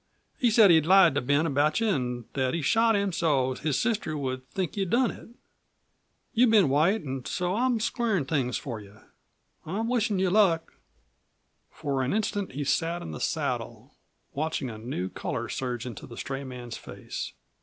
He said he'd lied to Ben about you an' that he'd shot him so's his sister would think you done it. You've been white, an' so I'm squarin' things for you. I'm wishin' you luck." For an instant he sat in the saddle, watching a new color surge into the stray man's face.